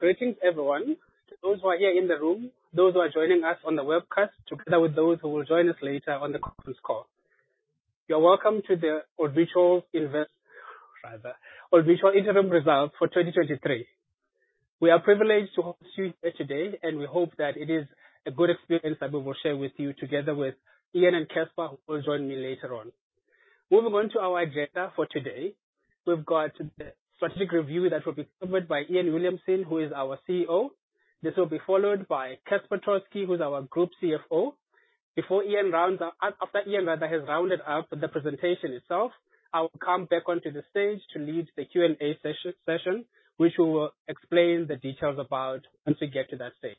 Greetings everyone. To those who are here in the room, those who are joining us on the webcast, together with those who will join us later on the conference call. You're welcome to the Old Mutual Invest-- rather, Old Mutual interim results for 2023. We are privileged to host you here today, and we hope that it is a good experience that we will share with you together with Iain and Casper, who will join me later on. Moving on to our agenda for today, we've got the strategic review that will be covered by Iain Williamson, who is our CEO. This will be followed by Casper Troskie, who's our Group CFO. Before Iain rounds up... After Iain, rather, has rounded up the presentation itself, I will come back onto the stage to lead the Q&A session, which we will explain the details about once we get to that stage.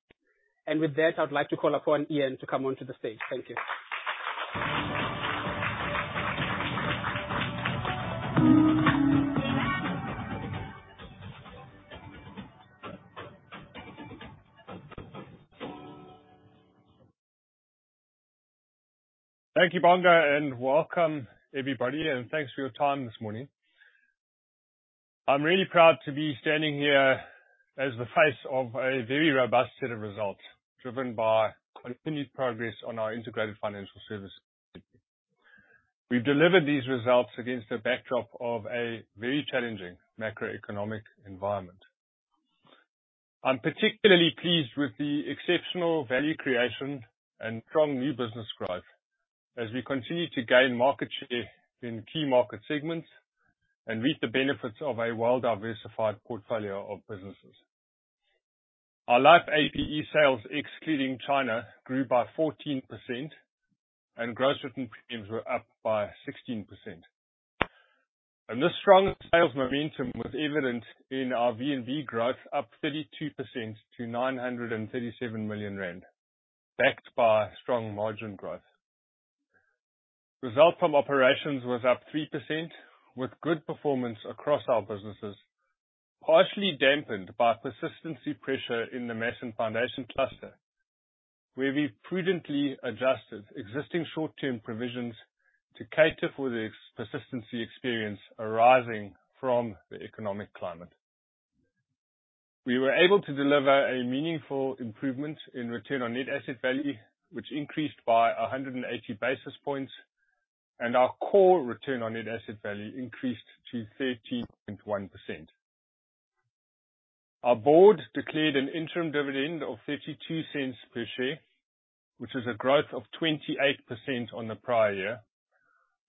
With that, I'd like to call upon Iain to come onto the stage. Thank you. Thank you, Bonga, and welcome everybody, and thanks for your time this morning. I'm really proud to be standing here as the face of a very robust set of results, driven by continued progress on our Integrated Financial Services. We've delivered these results against a backdrop of a very challenging macroeconomic environment. I'm particularly pleased with the exceptional value creation and strong new business growth as we continue to gain market share in key market segments and reap the benefits of a well-diversified portfolio of businesses. Our life APE sales, excluding China, grew by 14%, and gross written premiums were up by 16%. This strong sales momentum was evident in our VNB growth, up 32% to 937 million rand, backed by strong margin growth. Results from Operations was up 3%, with good performance across our businesses, partially dampened by persistency pressure in the Mass and Foundation Cluster, where we prudently adjusted existing short-term provisions to cater for the ex-persistency experience arising from the economic climate. We were able to deliver a meaningful improvement in Return on Net Asset Value, which increased by 180 basis points, and our core Return on Net Asset Value increased to 13.1%. Our Board declared an interim dividend of 0.32 per share, which is a growth of 28% on the prior year,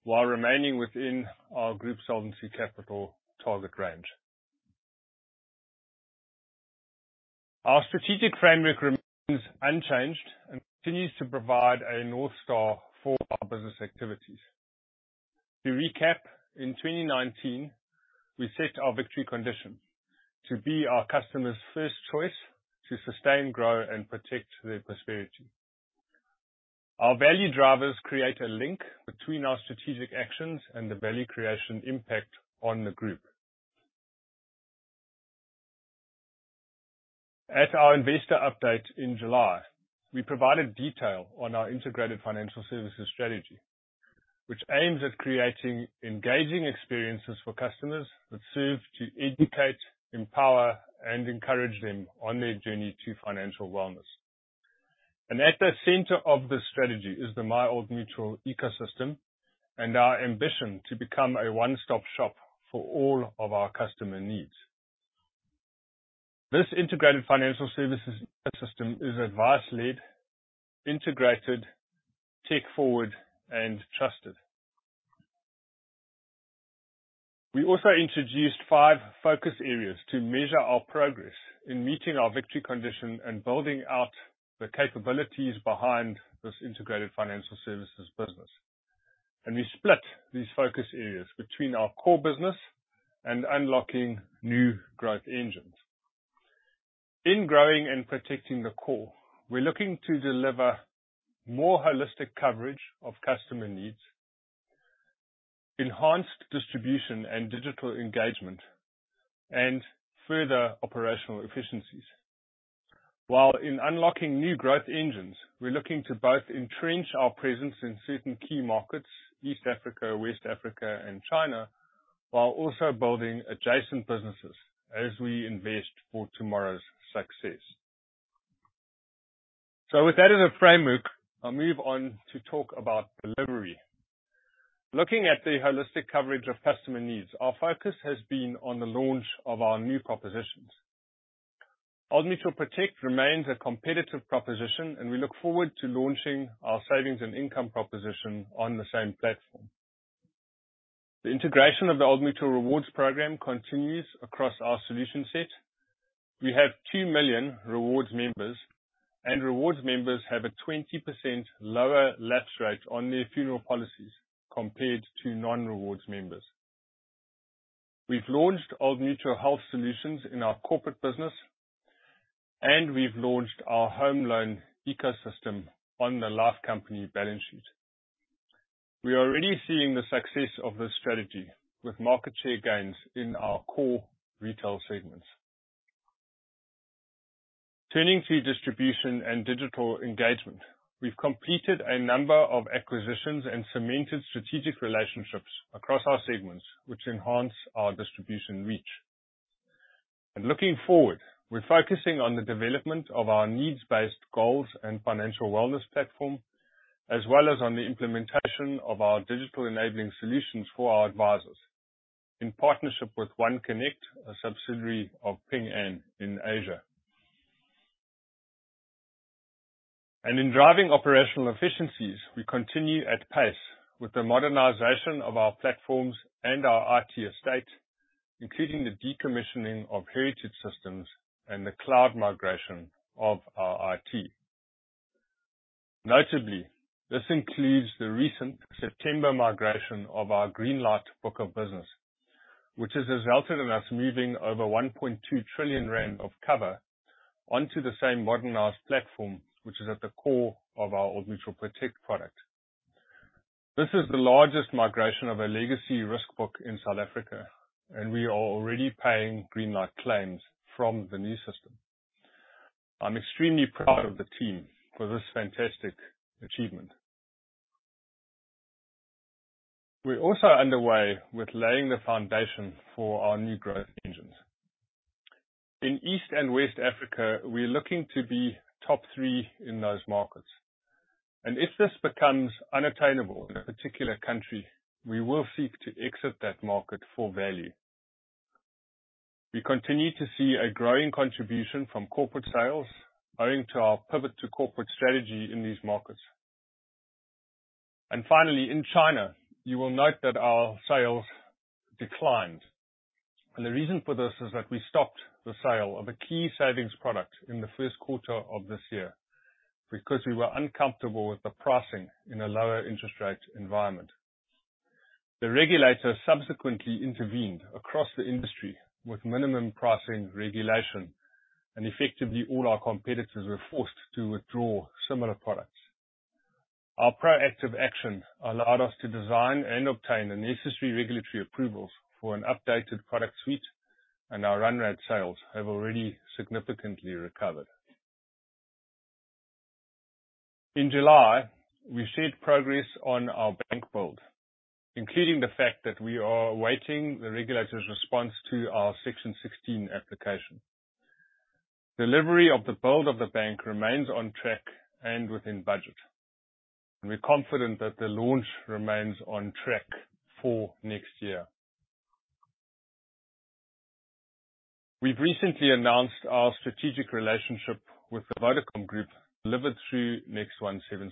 while remaining within our Group solvency capital target range. Our strategic framework remains unchanged and continues to provide a north star for our business activities. To recap, in 2019, we set our victory condition: to be our customers' first choice, to sustain, grow and protect their prosperity. Our value drivers create a link between our strategic actions and the value creation impact on the Group. At our investor update in July, we provided detail on our Integrated Financial Services strategy, which aims at creating engaging experiences for customers that serve to educate, empower, and encourage them on their journey to financial wellness. At the center of this strategy is the MyOldMutual ecosystem and our ambition to become a one-stop shop for all of our customer needs. This Integrated Financial Services ecosystem is advice-led, integrated, tech-forward, and trusted. We also introduced five focus areas to measure our progress in meeting our victory condition and building out the capabilities behind this Integrated Financial Services business. We split these focus areas between our core business and unlocking new growth engines. In growing and protecting the core, we're looking to deliver more holistic coverage of customer needs, enhanced distribution and digital engagement, and further operational efficiencies. While in unlocking new growth engines, we're looking to both entrench our presence in certain key markets, East Africa, West Africa, and China, while also building adjacent businesses as we invest for tomorrow's success. So with that as a framework, I'll move on to talk about delivery. Looking at the holistic coverage of customer needs, our focus has been on the launch of our new propositions. Old Mutual Protect remains a competitive proposition, and we look forward to launching our Savings and Income proposition on the same platform. The integration of the Old Mutual Rewards program continues across our solution set. We have 2 million rewards members, and rewards members have a 20% lower lapse rate on their funeral policies compared to non-rewards members. We've launched Old Mutual Health Solutions in our Corporate business, and we've launched our home loan ecosystem on the last company balance sheet. We are already seeing the success of this strategy with market share gains in our core retail segments. Turning to distribution and digital engagement. We've completed a number of acquisitions and cemented strategic relationships across our segments, which enhance our distribution reach. Looking forward, we're focusing on the development of our needs-based goals and financial wellness platform, as well as on the implementation of our digital enabling solutions for our advisors, in partnership with OneConnect, a subsidiary of Ping An in Asia. In driving operational efficiencies, we continue at pace with the modernization of our platforms and our IT estate, including the decommissioning of legacy systems and the cloud migration of our IT. Notably, this includes the recent September migration of our Greenlight book of business, which has resulted in us moving over 1.2 trillion rand of cover onto the same modernized platform, which is at the core of our Old Mutual Protect product. This is the largest migration of a legacy risk book in South Africa, and we are already paying Greenlight claims from the new system. I'm extremely proud of the team for this fantastic achievement. We're also underway with laying the foundation for our new growth engines. In East and West Africa, we're looking to be top three in those markets. And if this becomes unattainable in a particular country, we will seek to exit that market for value. We continue to see a growing contribution from Corporate sales, owing to our pivot to Corporate strategy in these markets. Finally, in China, you will note that our sales declined, and the reason for this is that we stopped the sale of a key savings product in the first quarter of this year because we were uncomfortable with the pricing in a lower interest rate environment. The regulator subsequently intervened across the industry with minimum pricing regulation, and effectively, all our competitors were forced to withdraw similar products. Our proactive action allowed us to design and obtain the necessary regulatory approvals for an updated product suite, and our run rate sales have already significantly recovered. In July, we've seen progress on our bank build, including the fact that we are awaiting the regulator's response to our Section 16 application. Delivery of the build of the bank remains on track and within budget, and we're confident that the launch remains on track for next year. We've recently announced our strategic relationship with the Vodacom Group, delivered through Next176.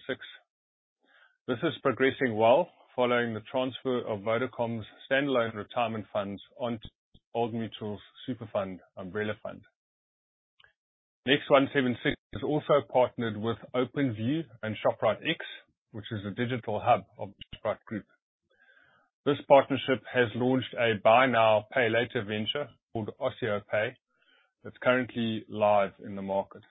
This is progressing well following the transfer of Vodacom's standalone retirement funds onto Old Mutual's SuperFund umbrella fund. Next176 has also partnered with Openview and ShopriteX, which is a digital hub of Shoprite Group. This partnership has launched a buy now, pay later venture called Osiyo Pay. That's currently live in the market.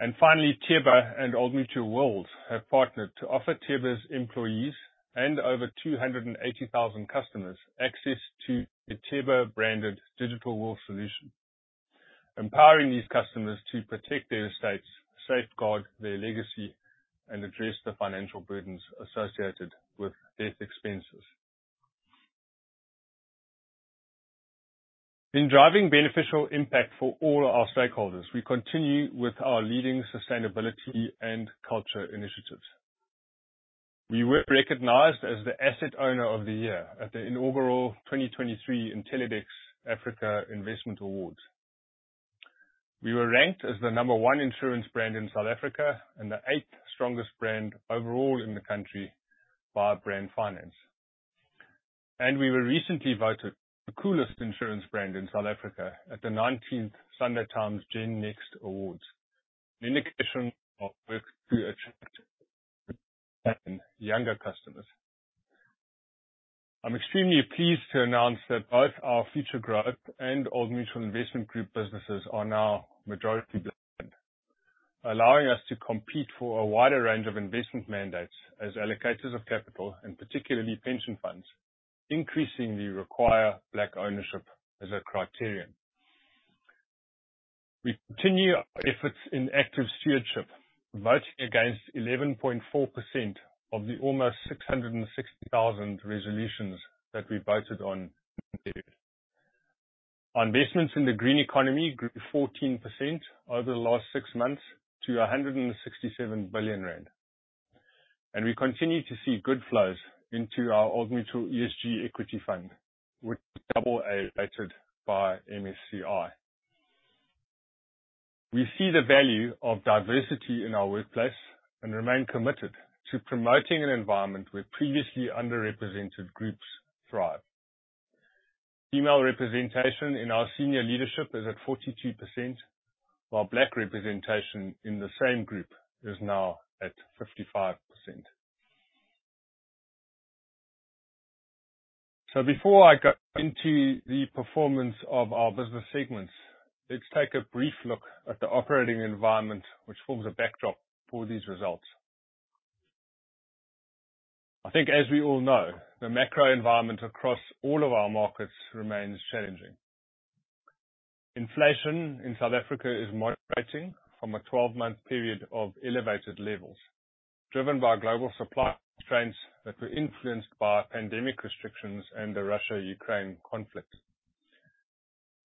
And finally, TEBA and Old Mutual Wealth have partnered to offer TEBA's employees and over 280,000 customers access to a TEBA-branded digital wealth solution, empowering these customers to protect their estates, safeguard their legacy, and address the financial burdens associated with death expenses. In driving beneficial impact for all our stakeholders, we continue with our leading sustainability and culture initiatives. We were recognized as the Asset Owner of the Year at the inaugural 2023 Intellidex Africa Investment Awards. We were ranked as the number one insurance brand in South Africa and the 8th strongest brand overall in the country via Brand Finance. We were recently voted the coolest insurance brand in South Africa at the 19th Sunday Times Gen Next Awards, an indication of work to attract younger customers. I'm extremely pleased to announce that both our future growth and Old Mutual Investment Group businesses are now majority Black-owned, allowing us to compete for a wider range of investment mandates as allocators of capital, and particularly pension funds, increasingly require Black ownership as a criterion. We continue our efforts in active stewardship, voting against 11.4% of the almost 660,000 resolutions that we voted on. Our investments in the green economy grew 14% over the last six months to 167 billion rand. We continue to see good flows into our Old Mutual ESG Equity Fund, which is AA rated by MSCI. We see the value of diversity in our workplace and remain committed to promoting an environment where previously underrepresented Groups thrive. Female representation in our senior leadership is at 42%, while Black representation in the same Group is now at 55%. Before I go into the performance of our business segments, let's take a brief look at the operating environment, which forms a backdrop for these results. I think as we all know, the macro environment across all of our markets remains challenging. Inflation in South Africa is moderating from a 12-month period of elevated levels, driven by global supply constraints that were influenced by pandemic restrictions and the Russia-Ukraine conflict.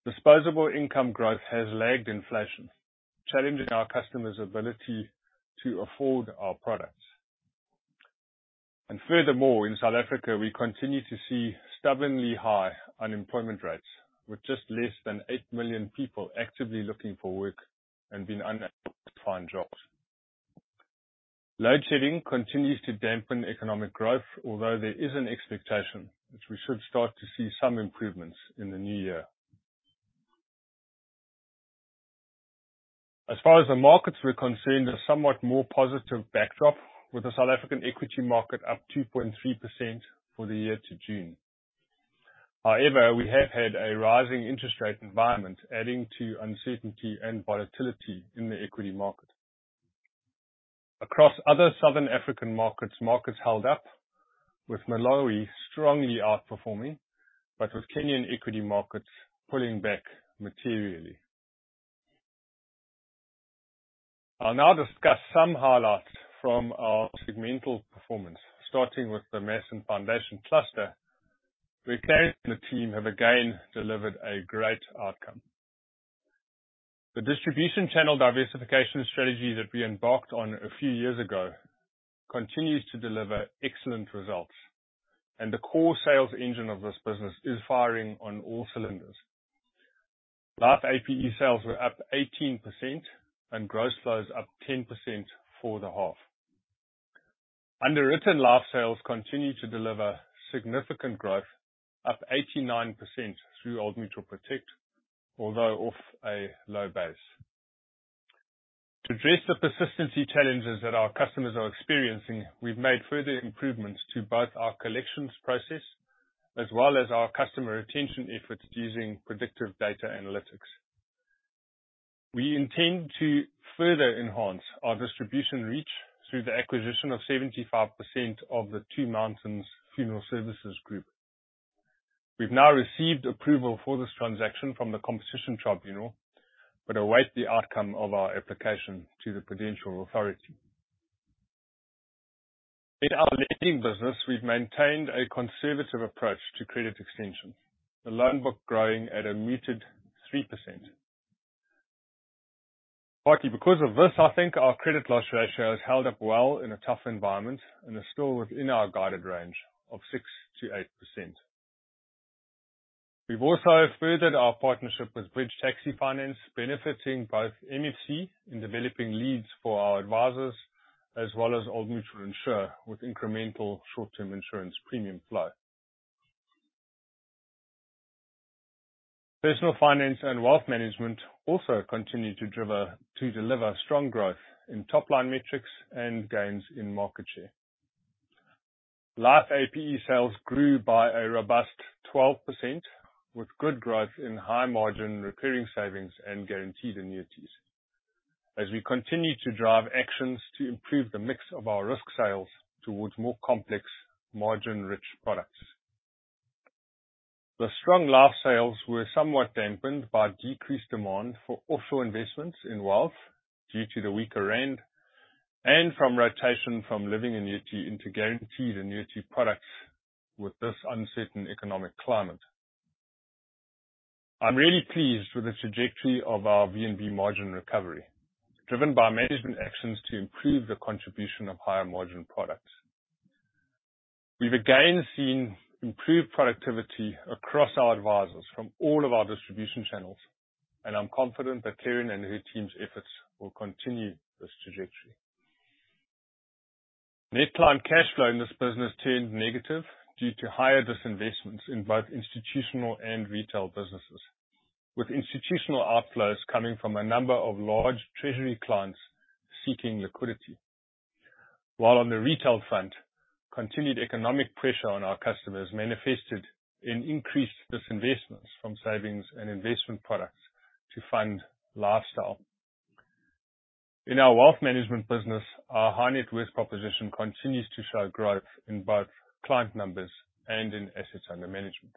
Disposable income growth has lagged inflation, challenging our customers' ability to afford our products. Furthermore, in South Africa, we continue to see stubbornly high unemployment rates, with just less than 8 million people actively looking for work and being unable to find jobs. Load shedding continues to dampen economic growth, although there is an expectation that we should start to see some improvements in the new year. As far as the markets were concerned, a somewhat more positive backdrop, with the South African equity market up 2.3% for the year to June. However, we have had a rising interest rate environment, adding to uncertainty and volatility in the equity market. Across other Southern African markets, markets held up, with Malawi strongly outperforming, but with Kenyan equity markets pulling back materially. I'll now discuss some highlights from our segmental performance, starting with the Mass and Foundation Cluster, where Kerrin and the team have again delivered a great outcome. The distribution channel diversification strategy that we embarked on a few years ago continues to deliver excellent results, and the core sales engine of this business is firing on all cylinders. Life APE sales were up 18% and gross flows up 10% for the half. Underwritten life sales continue to deliver significant growth, up 89% through Old Mutual Protect, although off a low base. To address the persistency challenges that our customers are experiencing, we've made further improvements to both our collections process as well as our customer retention efforts using predictive data analytics. We intend to further enhance our distribution reach through the acquisition of 75% of the Two Mountains Funeral Services Group. We've now received approval for this transaction from the Competition Tribunal, but await the outcome of our application to the Prudential Authority. In our lending business, we've maintained a conservative approach to credit extension, the loan book growing at a muted 3%. Partly because of this, I think our credit loss ratio has held up well in a tough environment and is still within our guided range of 6%-8%. We've also furthered our partnership with Bridge Taxi Finance, benefiting both MFC in developing leads for our advisors, as well as Old Mutual Insure, with incremental short-term insurance premium flow. Personal Finance and Wealth Management also continued to drive, to deliver strong growth in top line metrics and gains in market share. Life APE sales grew by a robust 12%, with good growth in high-margin recurring savings and guaranteed annuities, as we continue to drive actions to improve the mix of our risk sales towards more complex, margin-rich products. The strong life sales were somewhat dampened by decreased demand for offshore investments in Wealth due to the weaker Rand, and from rotation from living annuity into guaranteed annuity products with this uncertain economic climate. I'm really pleased with the trajectory of our VNB margin recovery, driven by management actions to improve the contribution of higher margin products. We've again seen improved productivity across our advisors from all of our distribution channels, and I'm confident that Kerrin and her team's efforts will continue this trajectory. Net Client Cash Flow in this business turned negative due to higher disinvestments in both institutional and retail businesses, with institutional outflows coming from a number of large treasury clients seeking liquidity. While on the retail front, continued economic pressure on our customers manifested in increased disinvestments from savings and investment products to fund lifestyle. In our Wealth Management business, our high-net-worth proposition continues to show growth in both client numbers and in assets under management.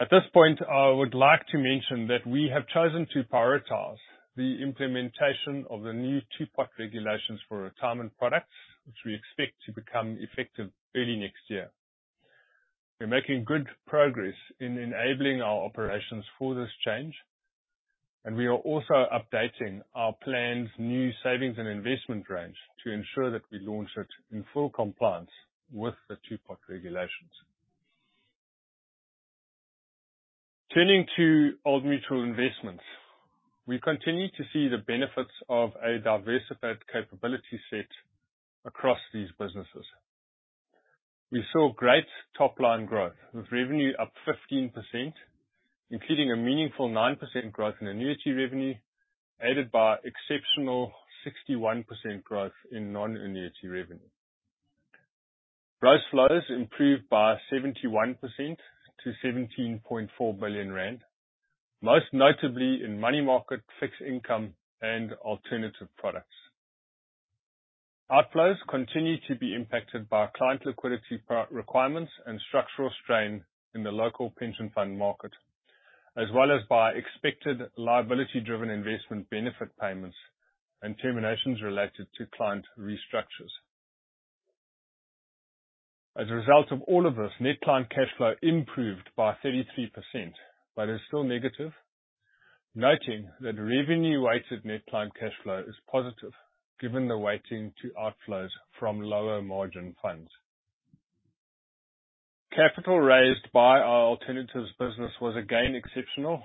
At this point, I would like to mention that we have chosen to prioritize the implementation of the new Two-Pot regulations for retirement products, which we expect to become effective early next year. We're making good progress in enabling our operations for this change, and we are also updating our planned new savings and investment range to ensure that we launch it in full compliance with the Two-Pot regulations. Turning to Old Mutual Investments, we continue to see the benefits of a diversified capability set across these businesses. We saw great top-line growth, with revenue up 15%, including a meaningful 9% growth in annuity revenue, aided by exceptional 61% growth in non-annuity revenue. Gross flows improved by 71% to 17.4 billion rand, most notably in money market, fixed income, and alternative products. Outflows continue to be impacted by client liquidity pro requirements and structural strain in the local pension fund market, as well as by expected liability-driven investment benefit payments and terminations related to client restructures. As a result of all of this, Net Client Cash Flow improved by 33%, but is still negative, noting that revenue-weighted Net Client Cash Flow is positive given the weighting to outflows from lower margin funds. Capital raised by our alternatives business was again exceptional,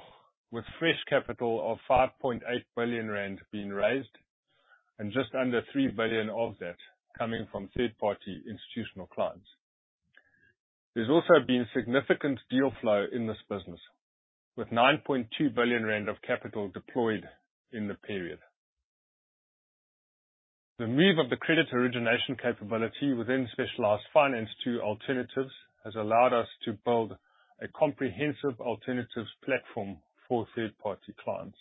with fresh capital of 5.8 billion rand being raised, and just under 3 billion of that coming from third-party institutional clients. There's also been significant deal flow in this business, with 9.2 billion rand of capital deployed in the period. The move of the credit origination capability within Specialised Finance to alternatives has allowed us to build a comprehensive alternatives platform for third-party clients.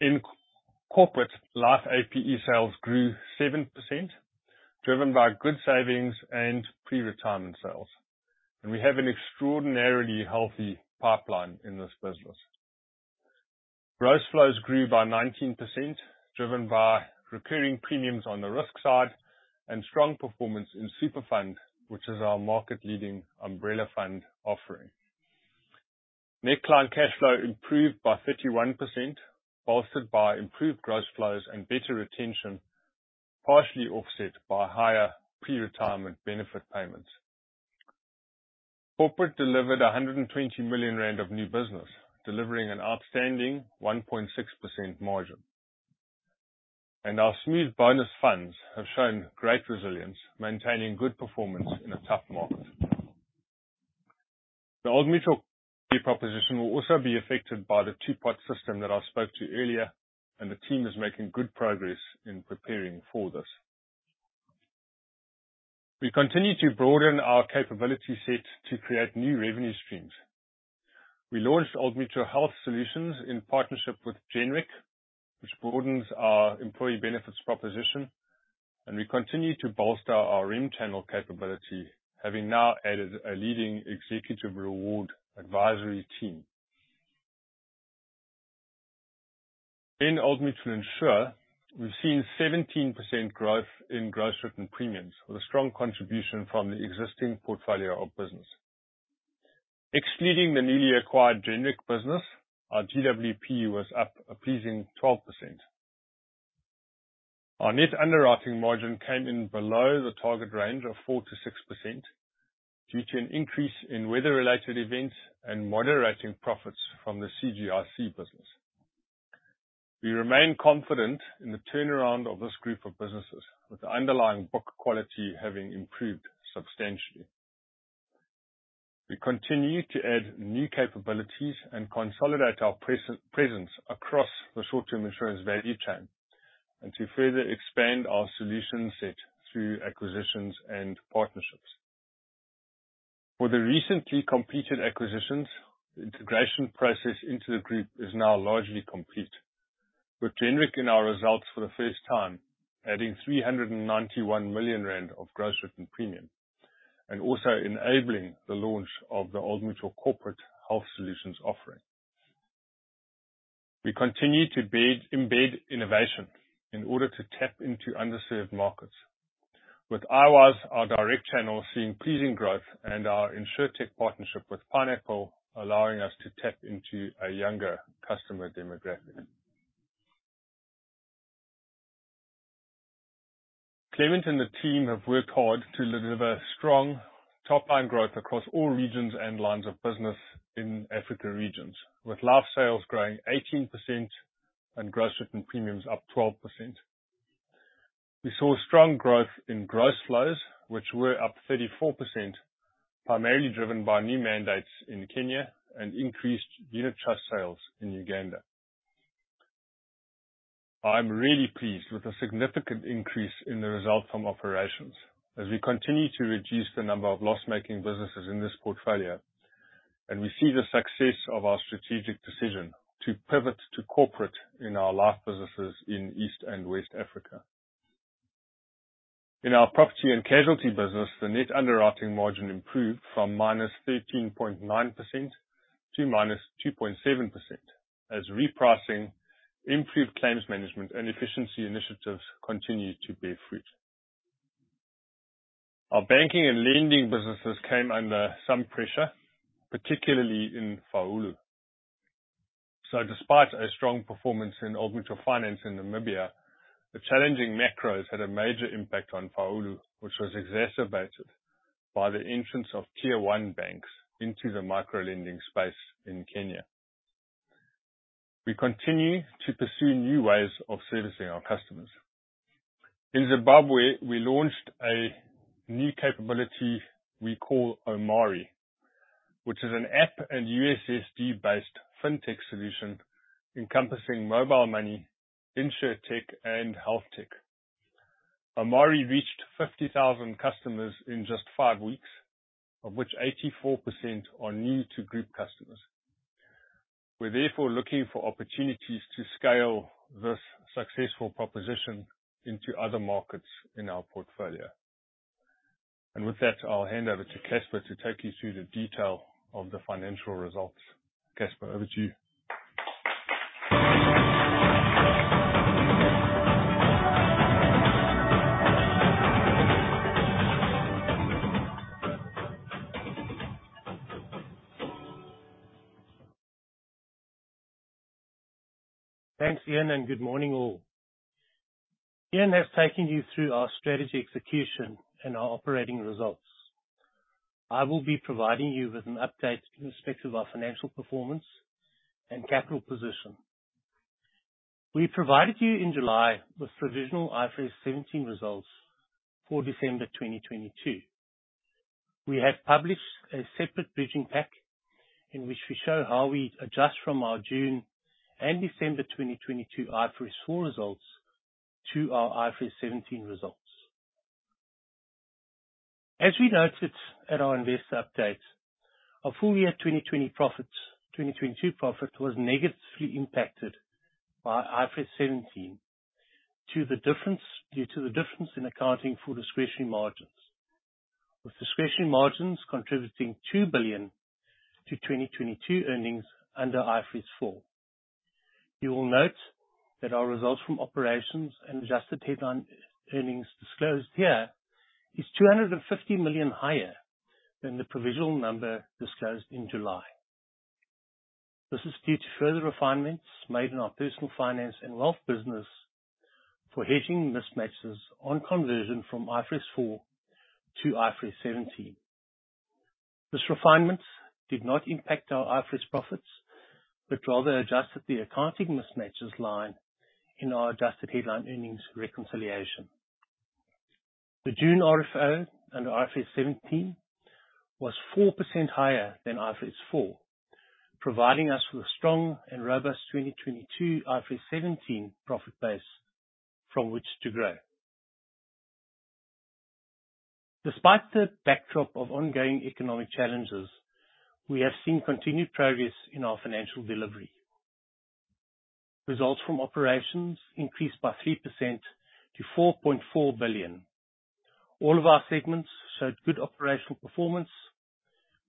In Corporate, Life APE sales grew 7%, driven by good savings and pre-retirement sales, and we have an extraordinarily healthy pipeline in this business. Gross flows grew by 19%, driven by recurring premiums on the risk side and strong performance in SuperFund, which is our market-leading umbrella fund offering. Net Client Cash Flow improved by 31%, bolstered by improved gross flows and better retention, partially offset by higher pre-retirement benefit payments. Corporate delivered 120 million rand of new business, delivering an outstanding 1.6% margin. Our smooth bonus funds have shown great resilience, maintaining good performance in a tough market. The Old Mutual proposition will also be affected by the Two-Pot system that I spoke to earlier, and the team is making good progress in preparing for this. We continue to broaden our capability set to create new revenue streams. We launched Old Mutual Health Solutions in partnership with Genric, which broadens our employee benefits proposition, and we continue to bolster our REMchannel capability, having now added a leading executive reward advisory team. In Old Mutual Insure, we've seen 17% growth in gross written premiums, with a strong contribution from the existing portfolio of business. Excluding the newly acquired Genric business, our GWP was up a pleasing 12%. Our net underwriting margin came in below the target range of 4%-6% due to an increase in weather-related events and moderating profits from the CGIC business. We remain confident in the turnaround of this Group of businesses, with the underlying book quality having improved substantially. We continue to add new capabilities and consolidate our presence across the short-term insurance value chain, and to further expand our solution set through acquisitions and partnerships. For the recently completed acquisitions, the integration process into the Group is now largely complete, with Genric in our results for the first time, adding 391 million rand of gross written premium, and also enabling the launch of the Old Mutual Corporate Health Solutions offering. We continue to bed, embed innovation in order to tap into underserved markets. With iWYZE, our direct channel, seeing pleasing growth and our insurtech partnership with Pineapple, allowing us to tap into a younger customer demographic. Clement and the team have worked hard to deliver strong top-line growth across all regions and lines of business in Africa Regions, with life sales growing 18% and gross written premiums up 12%. We saw strong growth in gross flows, which were up 34%, primarily driven by new mandates in Kenya and increased unit trust sales in Uganda. I'm really pleased with the significant increase in the Results from Operations as we continue to reduce the number of loss-making businesses in this portfolio, and we see the success of our strategic decision to pivot to Corporate in our life businesses in East and West Africa. In our Property and Casualty business, the net underwriting margin improved from -13.9% to -2.7%, as repricing, improved claims management, and efficiency initiatives continued to bear fruit. Our banking and lending businesses came under some pressure, particularly in Faulu. So despite a strong performance in Old Mutual Finance in Namibia, the challenging macros had a major impact on Faulu, which was exacerbated by the entrance of Tier 1 banks into the micro-lending space in Kenya. We continue to pursue new ways of servicing our customers. In Zimbabwe, we launched a new capability we call O’mari, which is an app and USSD-based fintech solution encompassing mobile money, insurtech, and healthtech. O’mari reached 50,000 customers in just five weeks, of which 84% are new to Group customers. We're therefore looking for opportunities to scale this successful proposition into other markets in our portfolio. With that, I'll hand over to Casper to take you through the detail of the financial results. Casper, over to you. Thanks, Iain, and good morning, all. Iain has taken you through our strategy execution and our operating results. I will be providing you with an update in respect of our financial performance and capital position. We provided you in July with provisional IFRS 17 results for December 2022. We have published a separate bridging pack in which we show how we adjust from our June and December 2022 IFRS 4 results to our IFRS 17 results. As we noted at our investor update, our full year 2022 profits, 2022 profit was negatively impacted by IFRS 17 due to the difference in accounting for discretionary margins, with discretionary margins contributing 2 billion to 2022 earnings under IFRS 4. You will note that our Results from Operations and Adjusted Headline Earnings disclosed here is 250 million higher than the provisional number disclosed in July. This is due to further refinements made in our Personal Finance and Wealth business for hedging mismatches on conversion from IFRS 4 to IFRS 17. This refinement did not impact our IFRS profits, but rather adjusted the accounting mismatches line in our Adjusted Headline Earnings reconciliation. The June RFO under IFRS 17 was 4% higher than IFRS 4, providing us with a strong and robust 2022 IFRS 17 profit base from which to grow. Despite the backdrop of ongoing economic challenges, we have seen continued progress in our financial delivery. Results from Operations increased by 3% to 4.4 billion. All of our segments showed good operational performance,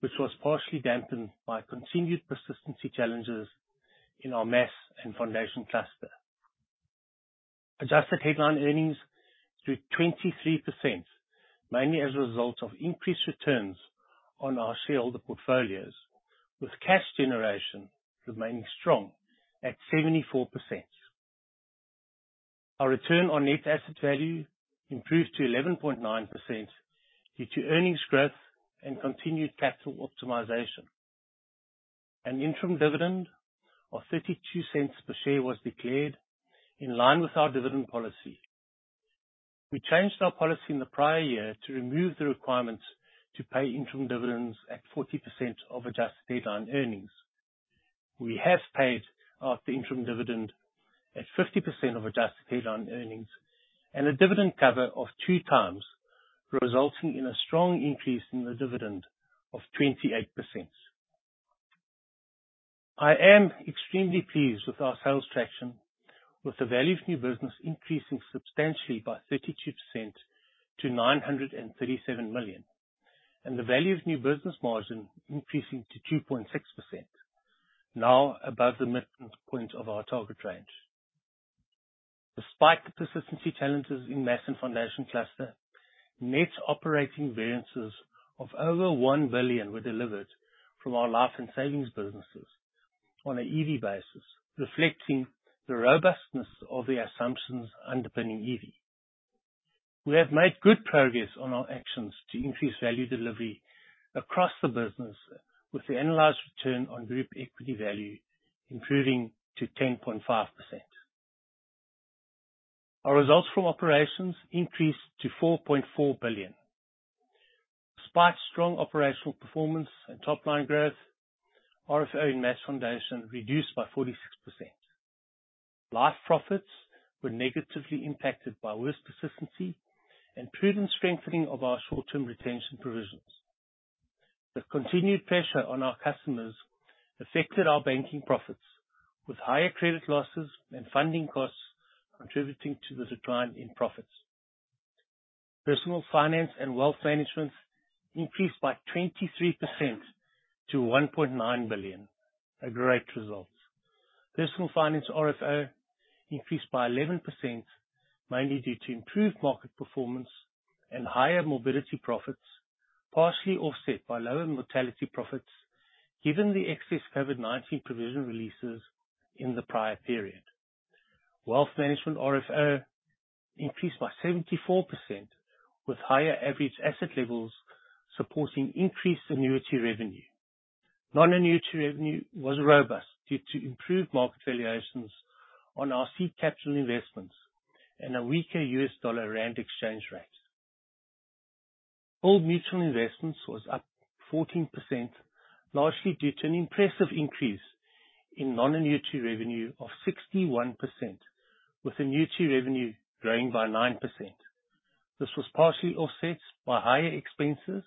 which was partially dampened by continued persistency challenges in our Mass and Foundation Cluster. Adjusted Headline Earnings grew 23%, mainly as a result of increased returns on our shareholder portfolios, with cash generation remaining strong at 74%. Our Return on Net Asset Value improved to 11.9% due to earnings growth and continued capital optimization. An interim dividend of 0.32 per share was declared in line with our Dividend Policy. We changed our policy in the prior year to remove the requirement to pay interim dividends at 40% of Adjusted Headline Earnings. We have paid out the interim dividend at 50% of Adjusted Headline Earnings and a dividend cover of 2x, resulting in a strong increase in the dividend of 28%. I am extremely pleased with our sales traction, with the Value of New Business increasing substantially by 32% to 937 million, and the Value of New Business margin increasing to 2.6%, now above the midpoint of our target range. Despite the persistency challenges in Mass and Foundation Cluster, net operating variances of over 1 billion were delivered from our life and savings businesses on an EV basis, reflecting the robustness of the assumptions underpinning EV. We have made good progress on our actions to increase value delivery across the business, with return on Group Equity Value improving to 10.5%. Our Results from Operations increased to 4.4 billion. Despite strong operational performance and top-line growth, RFO in Mass and Foundation reduced by 46%. Life profits were negatively impacted by worse persistency and prudent strengthening of our short-term retention provisions. The continued pressure on our customers affected our banking profits, with higher credit losses and funding costs contributing to the decline in profits. Personal Finance and Wealth Management increased by 23% to 1.9 billion. A great result! Personal Finance RFO increased by 11%, mainly due to improved market performance and higher morbidity profits, partially offset by lower mortality profits, given the excess COVID-19 provision releases in the prior period. Wealth Management RFO increased by 74%, with higher average asset levels supporting increased annuity revenue. Non-annuity revenue was robust due to improved market valuations on our seed capital investments and a weaker U.S. dollar-rand exchange rate. Old Mutual Investments was up 14%, largely due to an impressive increase in non-annuity revenue of 61%, with annuity revenue growing by 9%. This was partially offset by higher expenses,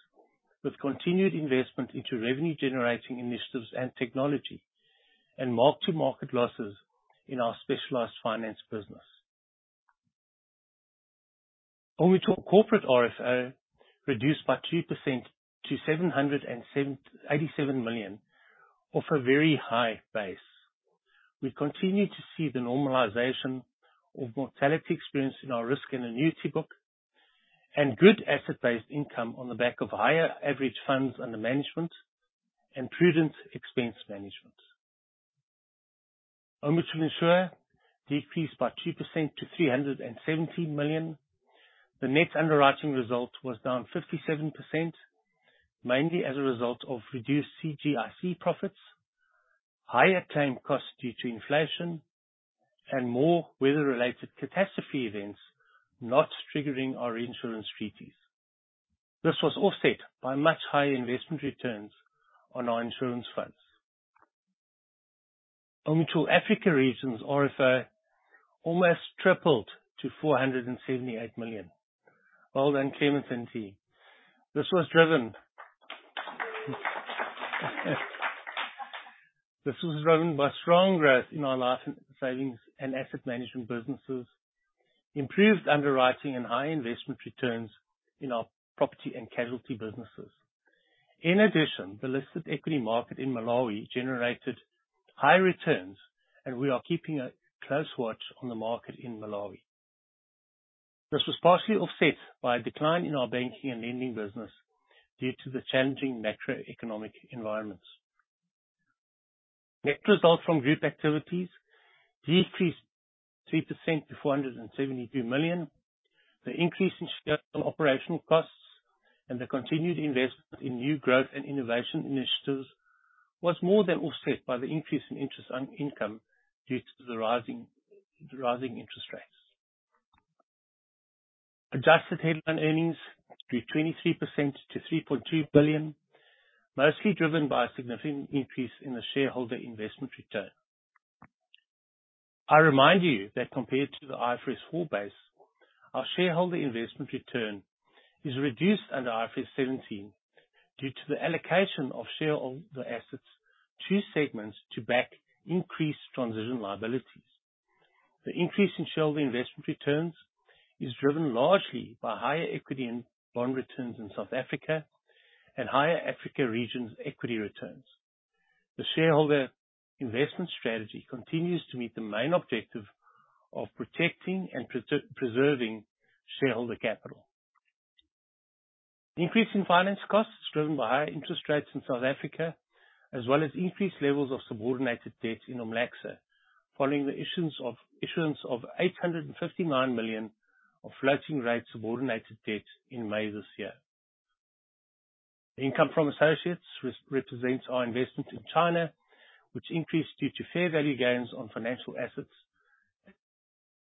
with continued investment into revenue-generating initiatives and technology, and mark-to-market losses in our Specialised Finance business. Old Mutual Corporate RFO reduced by 2% to 787 million, off a very high base. We continue to see the normalization of mortality experience in our risk and annuity book, and good asset-based income on the back of higher average funds under management and prudent expense management. Old Mutual Insure decreased by 2% to 317 million. The net underwriting result was down 57%, mainly as a result of reduced CGIC profits, higher claim costs due to inflation, and more weather-related catastrophe events not triggering our reinsurance treaties. This was offset by much higher investment returns on our insurance funds. Old Mutual Africa Regions RFO almost tripled to 478 million. Well done, Clement and team. This was driven by strong growth in our life and savings and asset management businesses, improved underwriting, and high investment returns in our Property and Casualty businesses. In addition, the listed equity market in Malawi generated high returns, and we are keeping a close watch on the market in Malawi. This was partially offset by a decline in our banking and lending business due to the challenging macroeconomic environment. Net result from Group activities decreased 3% to 472 million. The increase in scale operational costs and the continued investment in new growth and innovation initiatives was more than offset by the increase in interest on income due to the rising interest rates. Adjusted Headline Earnings grew 23% to 3.2 billion, mostly driven by a significant increase in the shareholder investment return. I remind you that compared to the IFRS 4 base, our shareholder investment return is reduced under IFRS 17 due to the allocation of shareholder assets to segments to back increased transition liabilities. The increase in shareholder investment returns is driven largely by higher equity and bond returns in South Africa and higher Africa Regions equity returns. The shareholder investment strategy continues to meet the main objective of protecting and preserving shareholder capital. The increase in finance costs is driven by higher interest rates in South Africa, as well as increased levels of subordinated debt in OM Bank, following the issuance of 859 million of floating rate subordinated debt in May this year. The income from associates represents our investment in China, which increased due to fair value gains on financial assets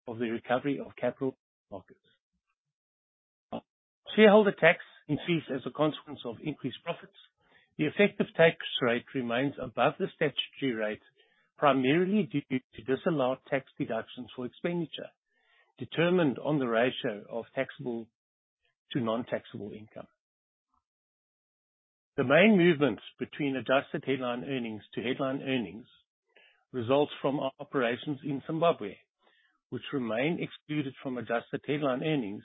of the recovery of capital markets. Shareholder tax increases as a consequence of increased profits. The effective tax rate remains above the statutory rate, primarily due to disallowed tax deductions for expenditure, determined on the ratio of taxable to non-taxable income. The main movement between Adjusted Headline Earnings to headline earnings results from our operations in Zimbabwe, which remain excluded from Adjusted Headline Earnings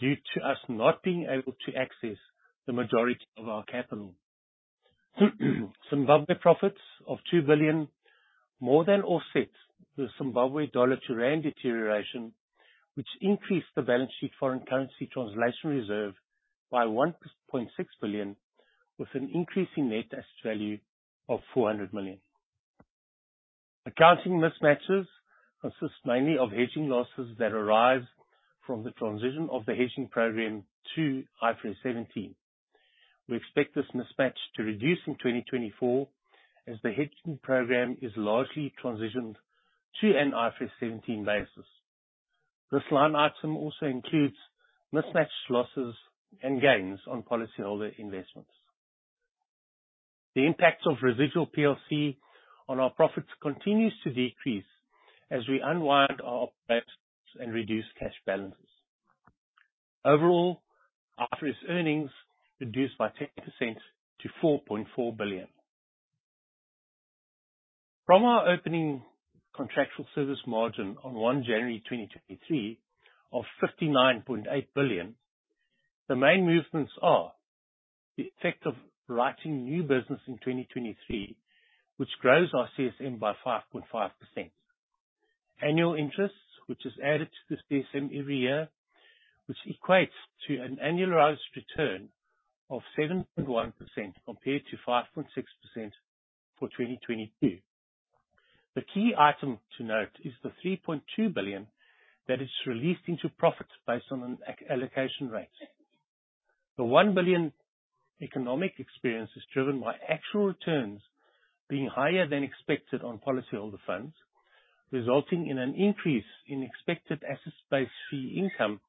due to us not being able to access the majority of our capital. Zimbabwe profits of ZWL 2 billion more than offset the Zimbabwe dollar-to-rand deterioration, which increased the balance sheet foreign currency translation reserve by 1.6 billion, with an increase in net asset value of 400 million. Accounting mismatches consist mainly of hedging losses that arise from the transition of the hedging program to IFRS 17. We expect this mismatch to reduce in 2024 as the hedging program is largely transitioned to an IFRS 17 basis. This line item also includes mismatched losses and gains on policyholder investments. The impact of residual PLC on our profits continues to decrease as we unwind our operations and reduce cash balances. Overall, IFRS earnings reduced by 10% to 4.4 billion. From our opening Contractual Service Margin on January 1, 2023 of 59.8 billion, the main movements are: the effect of writing new business in 2023, which grows our CSM by 5.5%. Annual interest, which is added to the CSM every year, which equates to an annualized return of 7.1% compared to 5.6% for 2022. The key item to note is the 3.2 billion that is released into profit based on an allocation rate. The 1 billion economic experience is driven by actual returns being higher than expected on policyholder funds, resulting in an increase in expected asset-based fee income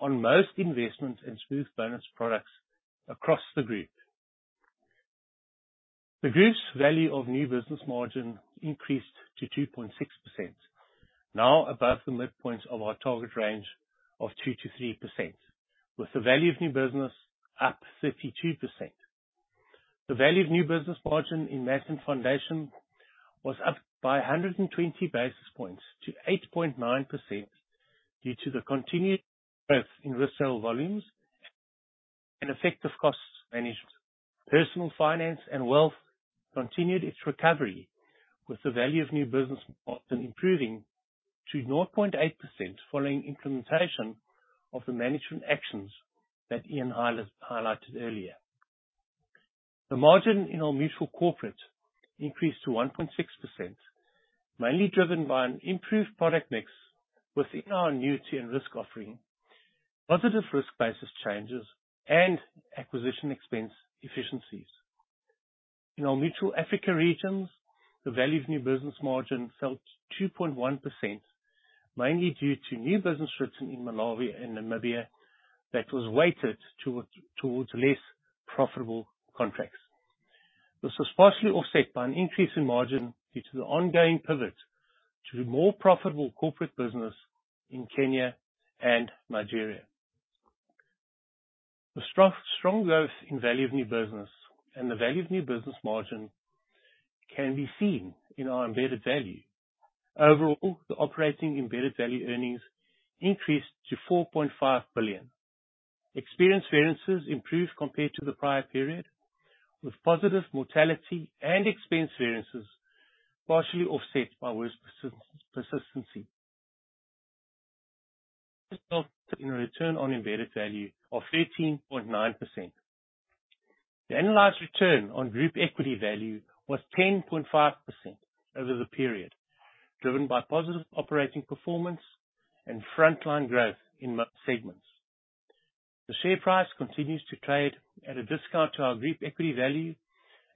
on most investments and smoothed bonus products across the Group. The Group's Value of New Business margin increased to 2.6%, now above the midpoint of our target range of 2%-3%, with the Value of New Business up 32%. The Value of New Business margin in Mass & Foundation was up by 120 basis points to 8.9%, due to the continued growth in retail volumes and effective cost management. Personal Finance and Wealth continued its recovery, with the Value of New Business margin improving to 0.8%, following implementation of the management actions that Iain highlighted earlier. The margin in Old Mutual Corporate increased to 1.6%, mainly driven by an improved product mix within our annuity and risk offering, positive risk basis changes, and acquisition expense efficiencies. In Old Mutual Africa Regions, the Value of New Business margin fell to 2.1%, mainly due to new business written in Malawi and Namibia that was weighted towards less profitable contracts. This was partially offset by an increase in margin due to the ongoing pivot to more profitable Corporate business in Kenya and Nigeria. The strong, strong growth in Value of New Business and the Value of New Business margin can be seen in our embedded value. Overall, the operating embedded value earnings increased to 4.5 billion. Experience variances improved compared to the prior period, with positive mortality and expense variances partially offset by worse persistency. This resulted in a Return on Embedded Value of 13.9%. return on Group Equity Value was 10.5% over the period, driven by positive operating performance and frontline growth in segments. The share price continues to trade at a discount to our Group Equity Value,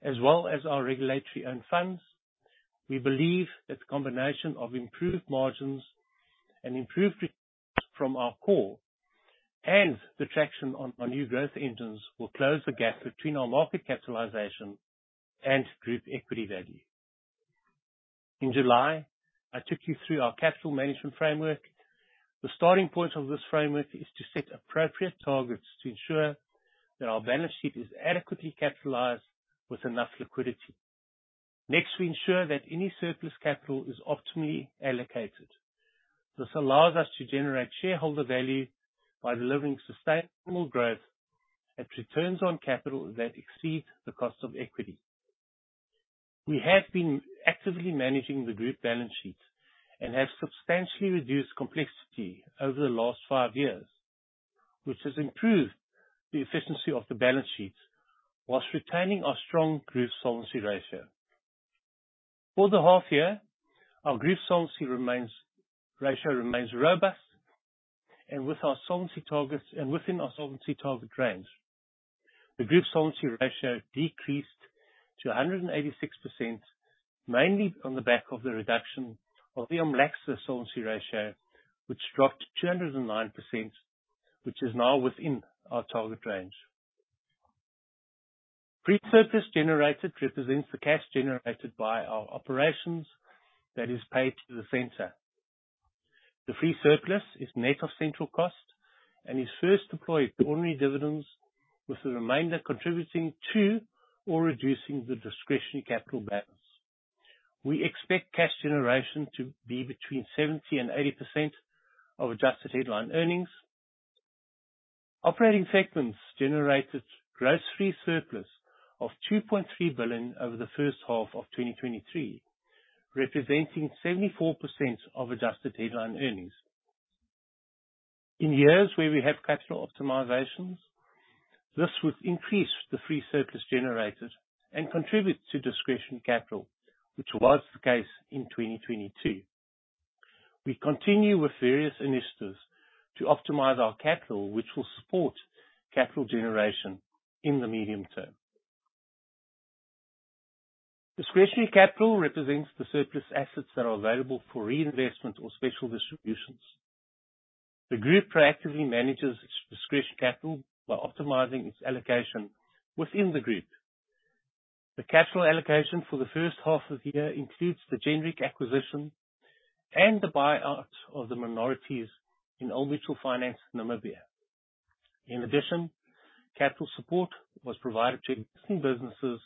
as well as our regulatory own funds. We believe that the combination of improved margins and improved returns from our core, and the traction on our new growth engines, will close the gap between our market capitalization and Group Equity Value. In July, I took you through our capital management framework. The starting point of this framework is to set appropriate targets to ensure that our balance sheet is adequately capitalized with enough liquidity. Next, we ensure that any surplus capital is optimally allocated. This allows us to generate shareholder value by delivering sustainable growth and returns on capital that exceed the Cost of Equity. We have been actively managing the Group balance sheet and have substantially reduced complexity over the last five years, which has improved the efficiency of the balance sheet while retaining our strong Group solvency ratio. For the half year, our Group solvency remains, ratio remains robust, and with our solvency targets, and within our solvency target range. The Group solvency ratio decreased to 186%, mainly on the back of the reduction of the OMLACSA solvency ratio, which dropped to 209%, which is now within our target range. Free Surplus generated represents the cash generated by our operations that is paid to the center. The Free Surplus is net of central cost and is first deployed to ordinary dividends, with the remainder contributing to or reducing the Discretionary Capital balance. We expect cash generation to be between 70% and 80% of Adjusted Headline Earnings. Operating segments generated gross Free Surplus of 2.3 billion over the first half of 2023, representing 74% of Adjusted Headline Earnings. In years where we have capital optimizations, this would increase the Free Surplus generated and contribute to Discretionary Capital, which was the case in 2022. We continue with various initiatives to optimize our capital, which will support capital generation in the medium term. Discretionary Capital represents the surplus assets that are available for reinvestment or special distributions. The Group proactively manages its Discretionary Capital by optimizing its allocation within the Group. The capital allocation for the first half of the year includes the Genric acquisition and the buyout of the minorities in Old Mutual Finance Namibia. In addition, capital support was provided to existing businesses,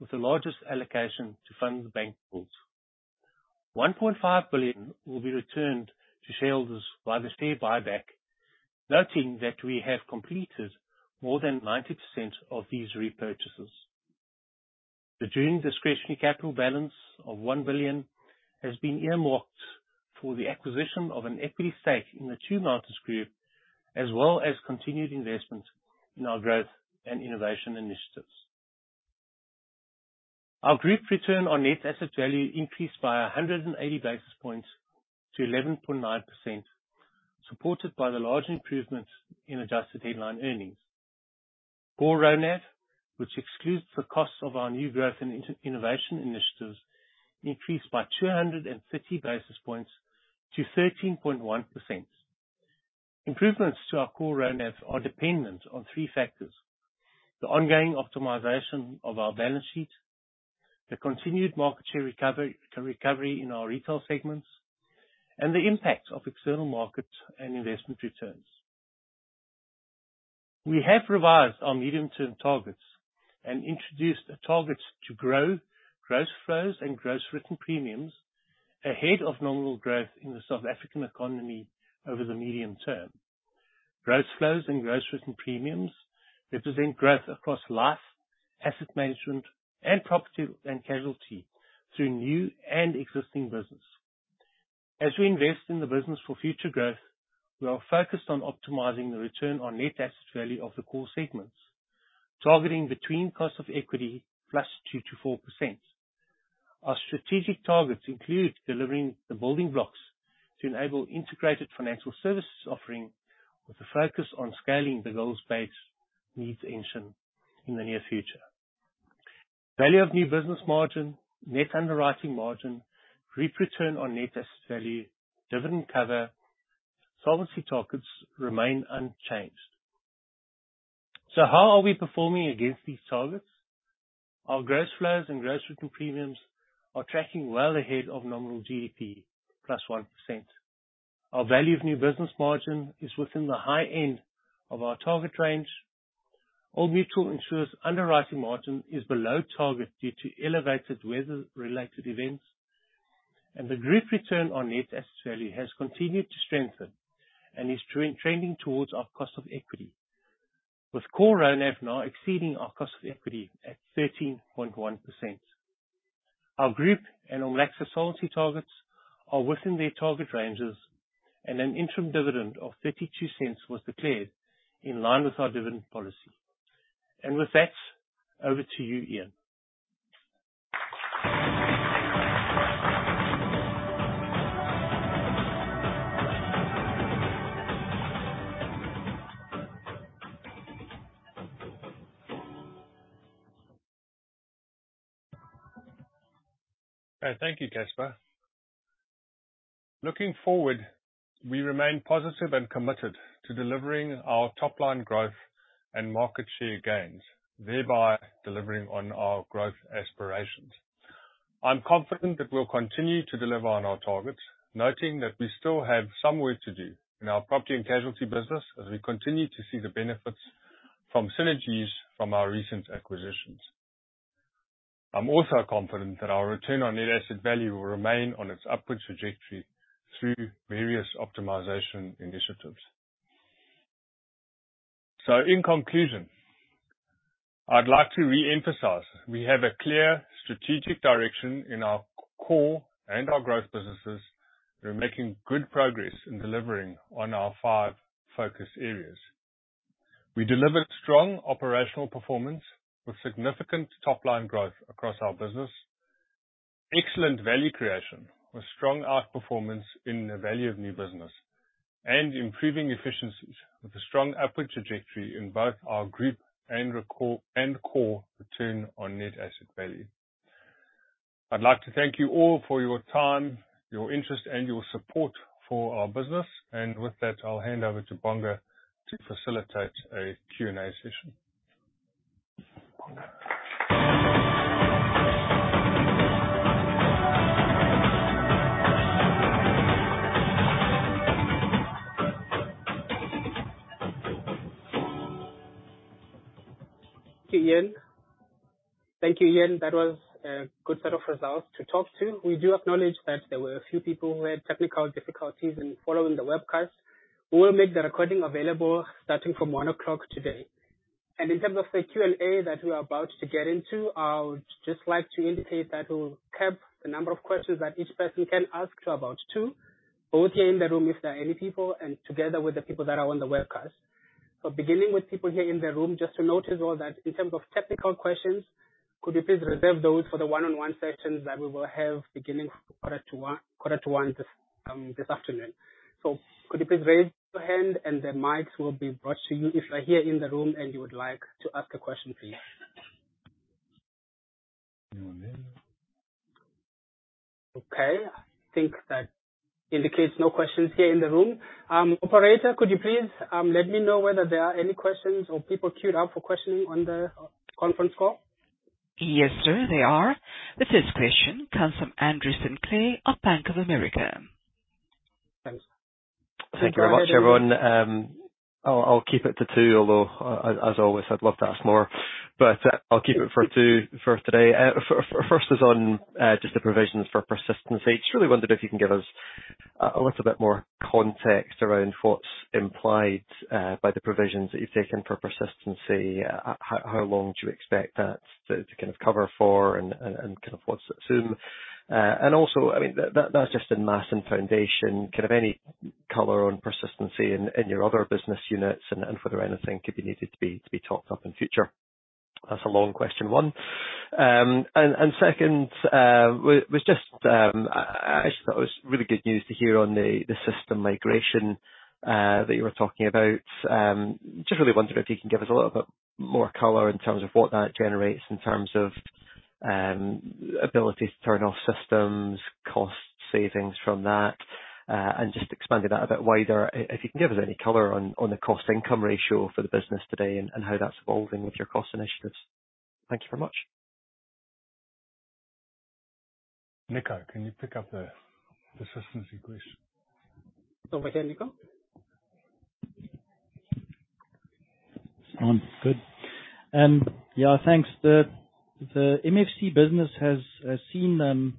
with the largest allocation to fund the bank builds. 1.5 billion will be returned to shareholders by the share buyback, noting that we have completed more than 90% of these repurchases. The June Discretionary Capital balance of 1 billion has been earmarked for the acquisition of an equity stake in the Two Mountains Group, as well as continued investment in our growth and innovation initiatives. Our Group Return on Net Asset Value increased by 180 basis points to 11.9%, supported by the large improvements in Adjusted Headline Earnings. Core RoNAV, which excludes the costs of our new growth and innovation initiatives, increased by 230 basis points to 13.1%. Improvements to our Core RoNAV are dependent on three factors: the ongoing optimization of our balance sheet, the continued market share recovery in our retail segments, and the impact of external market and investment returns. We have revised our medium-term targets and introduced the targets to grow gross flows and gross written premiums ahead of nominal growth in the South African economy over the medium term. Gross flows and gross written premiums represent growth across life, asset management, and Property and Casualty through new and existing business. As we invest in the business for future growth, we are focused on optimizing the Return on Net Asset Value of the core segments, targeting between Cost of Equity +2%-4%. Our strategic targets include delivering the building blocks to enable Integrated Financial Services offering, with a focus on scaling the Goals-Based Needs Engine in the near future. Value of New Business margin, net underwriting margin, Group Return on Net Asset Value, dividend cover, solvency targets remain unchanged. So how are we performing against these targets? Our gross flows and gross written premiums are tracking well ahead of nominal GDP +1%. Our Value of New Business margin is within the high end of our target range. Old Mutual Insure's underwriting margin is below target due to elevated weather-related events, and the Group Return on Net Asset Value has continued to strengthen and is trending towards our Cost of Equity, with Core RoNAV now exceeding our Cost of Equity at 13.1%. Our Group and OMLACSA solvency targets are within their target ranges, and an interim dividend of 0.32 was declared in line with our Dividend Policy. With that, over to you, Iain. Thank you, Casper. Looking forward, we remain positive and committed to delivering our top-line growth and market share gains, thereby delivering on our growth aspirations. I'm confident that we'll continue to deliver on our targets, noting that we still have some work to do in our Property and Casualty business, as we continue to see the benefits from synergies from our recent acquisitions. I'm also confident that our Return on Net Asset Value will remain on its upward trajectory through various optimization initiatives. So in conclusion, I'd like to reemphasize, we have a clear strategic direction in our core and our growth businesses. We're making good progress in delivering on our five focus areas. We delivered strong operational performance with significant top-line growth across our business, excellent value creation, with strong outperformance in the Value of New Business, and improving efficiencies with a strong upward trajectory in both our Group and core Return on Net Asset Value. I'd like to thank you all for your time, your interest and your support for our business. With that, I'll hand over to Bonga to facilitate a Q&A session. Bonga. Thank you, Iain. Thank you, Iain. That was a good set of results to talk to. We do acknowledge that there were a few people who had technical difficulties in following the webcast. We will make the recording available starting from one o'clock today. And in terms of the Q&A that we are about to get into, I would just like to indicate that we'll cap the number of questions that each person can ask to about two, both here in the room, if there are any people, and together with the people that are on the webcast. So beginning with people here in the room, just to note as well that in terms of technical questions, could you please reserve those for the one-on-one sessions that we will have beginning quarter to one, quarter to one this, this afternoon. So could you please raise your hand and the mics will be brought to you if you're here in the room, and you would like to ask a question, please. Okay, I think that indicates no questions here in the room. Operator, could you please let me know whether there are any questions or people queued up for questioning on the conference call? Yes, sir, there are. The first question comes from Andrew Sinclair of Bank of America. Thanks. Thank you very much, everyone. I'll keep it to two, although as always, I'd love to ask more. But I'll keep it to two for today. First is on just the provisions for persistency. Just really wondered if you can give us a little bit more context around what's implied by the provisions that you've taken for persistency. How long do you expect that to kind of cover for, and kind of what's soon?... and also, I mean, that, that's just in Mass & Foundation. Kind of any color on persistency in your other business units and whether anything could be needed to be topped up in future? That's a long question one. And second, was just, I just thought it was really good news to hear on the system migration that you were talking about. Just really wondering if you can give us a little bit more color, in terms of what that generates, in terms of ability to turn off systems, cost savings from that. And just expanding that a bit wider, if you can give us any color on the cost-income ratio for the business today and how that's evolving with your cost initiatives. Thank you very much. Nico, can you pick up the persistency question? Over to you, Nico. Good. Yeah, thanks. The MFC business has seen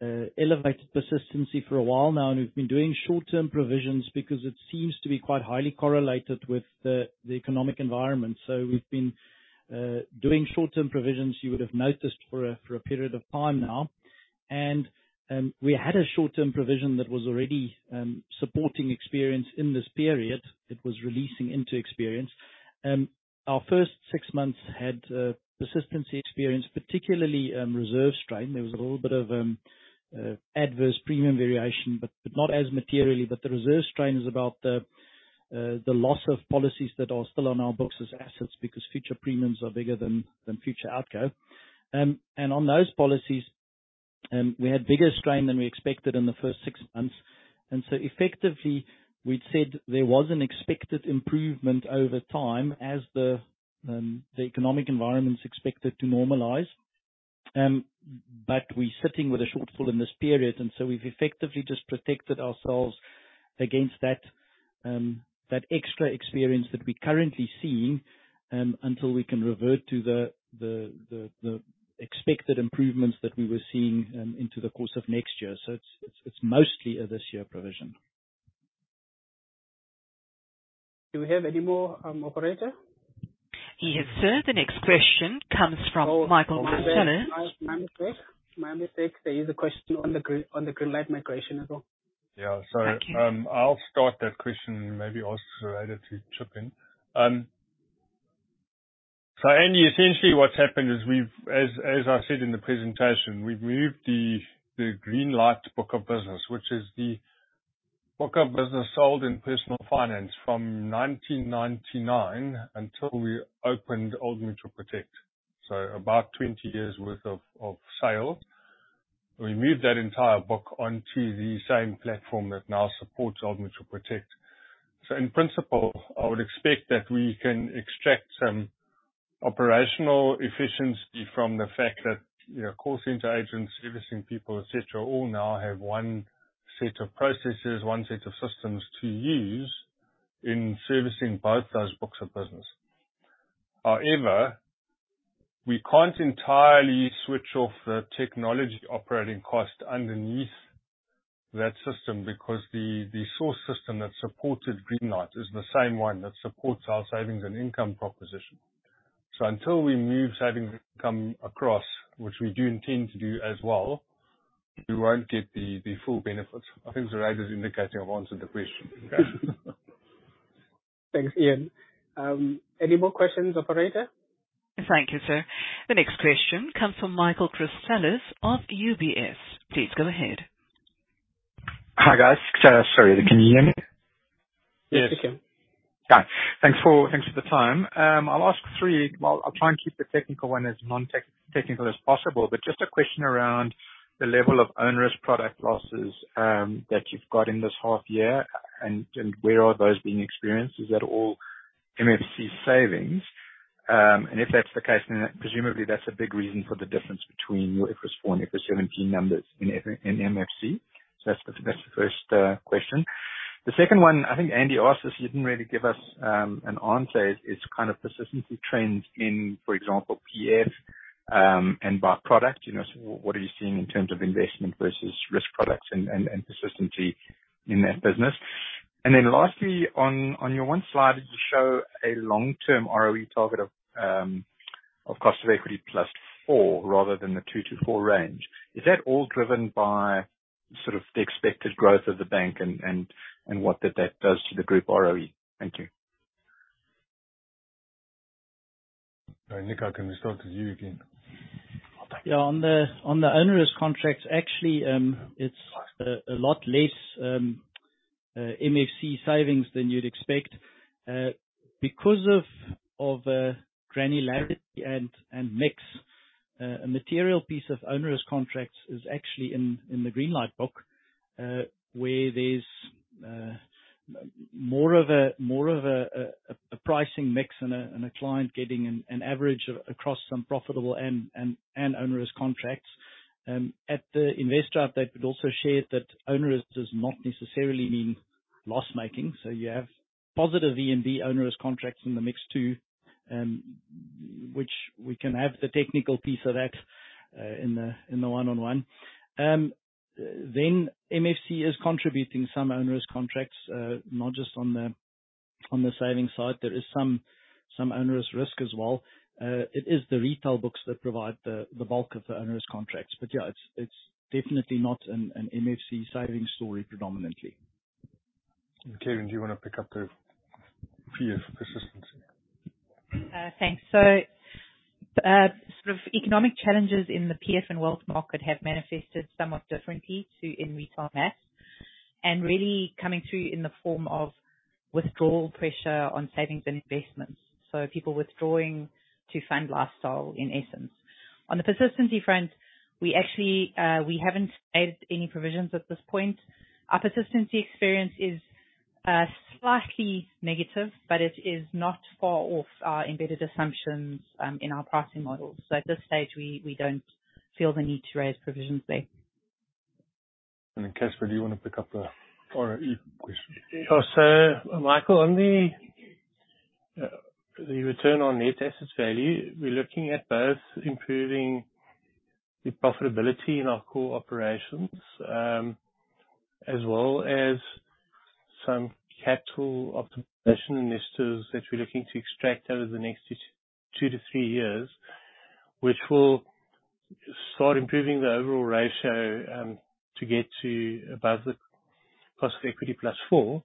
elevated persistency for a while now, and we've been doing short-term provisions because it seems to be quite highly correlated with the economic environment. So we've been doing short-term provisions, you would have noticed, for a period of time now. And we had a short-term provision that was already supporting experience in this period. It was releasing into experience. Our first six months had persistency experience, particularly reserve strain. There was a little bit of adverse premium variation, but not as materially. But the reserve strain is about the loss of policies that are still on our books as assets, because future premiums are bigger than future outgo. On those policies, we had bigger strain than we expected in the first six months. So effectively, we'd said there was an expected improvement over time as the economic environment's expected to normalize. But we're sitting with a shortfall in this period, and so we've effectively just protected ourselves against that extra experience that we're currently seeing, until we can revert to the expected improvements that we were seeing, into the course of next year. So it's mostly a this-year provision. Do we have any more, operator? Yes, sir. The next question comes from Michael Christelis- Oh, my mistake. My mistake. There is a question on the Green- on the Greenlight migration as well. Yeah. Thank you. I'll start that question, maybe also Zureida to chip in. Andy, essentially what's happened is we've, as I said in the presentation, we've moved the Greenlight book of business, which is the book of business sold in Personal Finance from 1999 until we opened Old Mutual Protect. About 20 years' worth of sales. We moved that entire book onto the same platform that now supports Old Mutual Protect. In principle, I would expect that we can extract some operational efficiency from the fact that, you know, call center agents, servicing people, et cetera, all now have one set of processes, one set of systems to use in servicing both those books of business. However, we can't entirely switch off the technology operating cost underneath that system, because the source system that supported Greenlight is the same one that supports our Savings and Income proposition. So until we move Savings and Income across, which we do intend to do as well, we won't get the full benefit. I think Zureida's indicating I've answered the question. Thanks, Iain. Any more questions, operator? Thank you, sir. The next question comes from Michael Christelis of UBS. Please go ahead. Hi, guys. Sorry, can you hear me? Yes. Yes, we can. Okay. Thanks for, thanks for the time. I'll ask three... Well, I'll try and keep the technical one as non-technical as possible. But just a question around the level of onerous product losses that you've got in this half year, and, and where are those being experienced? Is that all MFC savings? And if that's the case, then presumably, that's a big reason for the difference between your IFRS 4 and IFRS 17 numbers in MFC. So that's the, that's the first question. The second one, I think Andy asked this, you didn't really give us an answer, is, is kind of persistency trends in, for example, PF, and by product. You know, so what are you seeing in terms of investment versus risk products and, and, and persistency in that business? And then lastly, on your one slide, you show a long-term ROE target of Cost of Equity +4, rather than the 2%-4% range. Is that all driven by sort of the expected growth of the bank and what that does to the Group ROE? Thank you. Nico, can we start with you again? Yeah. On the onerous contracts, actually, it's a lot less MFC savings than you'd expect. Because of granularity and mix, a material piece of onerous contracts is actually in the Greenlight book, where there's more of a pricing mix and a client getting an average across some profitable and onerous contracts. At the investor update, we'd also shared that onerous does not necessarily mean loss-making. So you have positive VNB onerous contracts in the mix, too, which we can have the technical piece of that in the one-on-one. Then MFC is contributing some onerous contracts, not just on the PF-... on the savings side, there is some onerous risk as well. It is the retail books that provide the bulk of the onerous contracts. But yeah, it's definitely not an MFC savings story predominantly. Kerrin, do you wanna pick up the PF persistency? Thanks. So, sort of economic challenges in the PF and Wealth market have manifested somewhat differently to in retail mass, and really coming through in the form of withdrawal pressure on savings and investments. So people withdrawing to fund lifestyle, in essence. On the persistency front, we actually, we haven't added any provisions at this point. Our persistency experience is, slightly negative, but it is not far off our embedded assumptions, in our pricing model. So at this stage, we, we don't feel the need to raise provisions there. Casper, do you wanna pick up the ROE question? Sure. So, Michael, on the return on net assets value, we're looking at both improving the profitability in our core operations, as well as some capital optimization initiatives that we're looking to extract over the next two to three years, which will start improving the overall ratio, to get to above the Cost of Equity +4.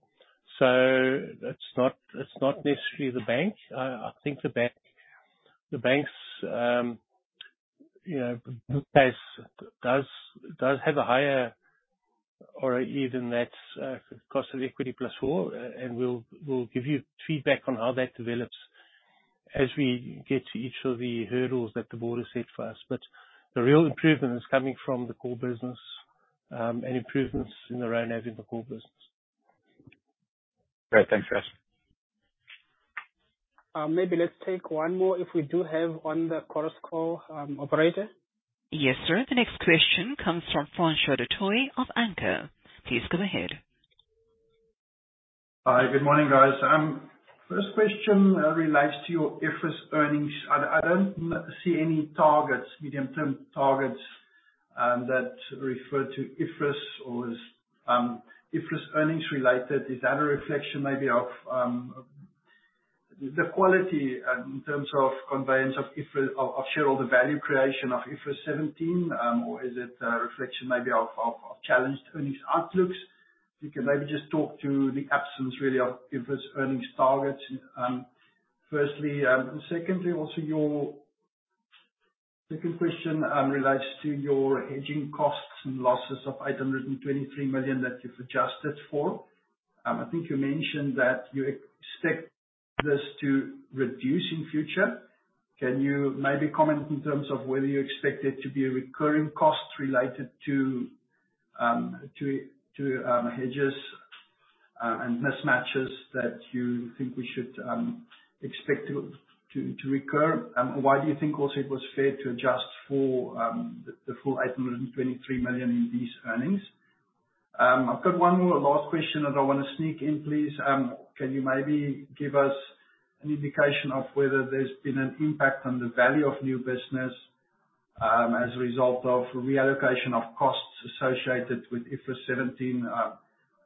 So it's not, it's not necessarily the bank. I think the bank, the bank's, you know, book base does have a higher ROE than that, Cost of Equity +4. And we'll give you feedback on how that develops as we get to each of the hurdles that the Board has set for us. But the real improvement is coming from the core business, and improvements in the rand having the core business. Great. Thanks, Casper. Maybe let's take one more, if we do have on the Chorus Call, operator. Yes, sir. The next question comes from Francois du Toit of Anchor. Please go ahead. Hi, good morning, guys. First question relates to your IFRS earnings. I don't see any targets, medium-term targets, that refer to IFRS or is IFRS earnings related. Is that a reflection maybe of the quality in terms of conveyance of IFRS, of shareholder value creation of IFRS 17? Or is it a reflection maybe of challenged earnings outlooks? You can maybe just talk to the absence, really, of IFRS earnings targets, firstly. And secondly, also your second question relates to your hedging costs and losses of 823 million that you've adjusted for. I think you mentioned that you expect this to reduce in future. Can you maybe comment in terms of whether you expect it to be a recurring cost related to hedges and mismatches that you think we should expect to recur? Why do you think also it was fair to adjust for the full 823 million in these earnings? I've got one more last question that I want to sneak in, please. Can you maybe give us an indication of whether there's been an impact on the Value of New Business as a result of reallocation of costs associated with IFRS 17? I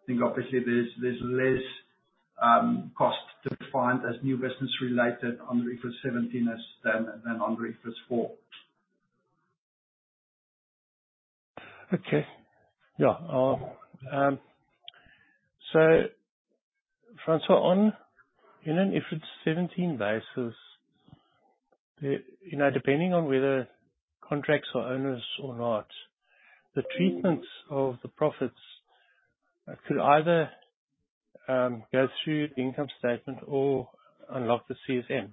think obviously there's less cost to find as new business related under IFRS 17 than under IFRS 4. Okay. Yeah. So, Francois, on an IFRS 17 basis, you know, depending on whether contracts are onerous or not, the treatment of the profits could either go through the income statement or unlock the CSM.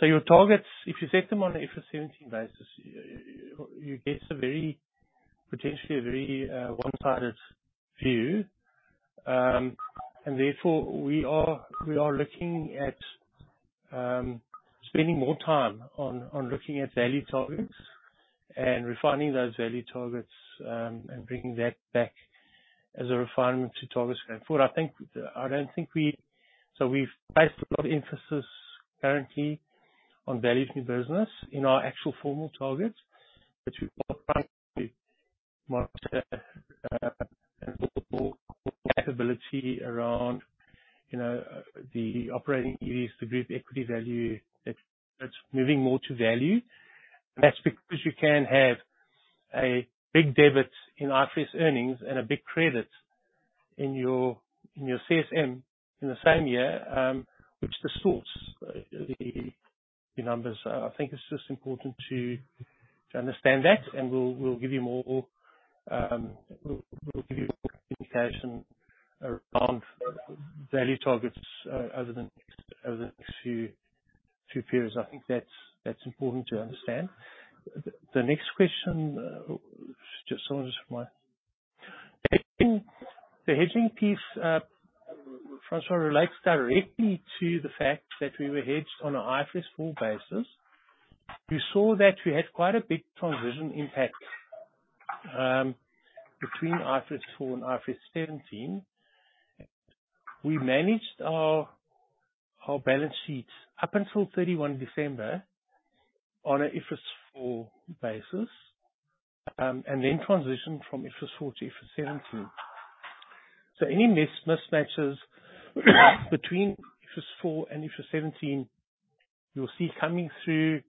So your targets, if you set them on an IFRS 17 basis, you get a very, potentially a very one-sided view. And therefore, we are looking at spending more time on looking at value targets and refining those value targets, and bringing that back as a refinement to targets going forward. I think, I don't think we-- So we've placed a lot of emphasis currently on Value of New Business in our actual formal targets, which we've got around the operating EV to GEV. It's moving more to value, and that's because you can have a big debit in IFRS earnings and a big credit in your CSM in the same year, which distorts the numbers. I think it's just important to understand that, and we'll give you more communication around value targets, other than a few periods. I think that's important to understand. The next question, just someone just remind. The hedging piece, Francois, relates directly to the fact that we were hedged on an IFRS 4 basis. We saw that we had quite a big transition impact between IFRS 4 and IFRS 17. We managed our balance sheets up until December 31-... on an IFRS 4 basis, and then transitioned from IFRS 4 to IFRS 17. So any mismatches between IFRS 4 and IFRS 17, you'll see coming through